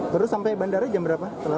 baru sampai bandara jam berapa